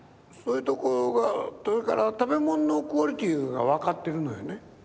それから食べ物のクオリティーが分かってるのよね。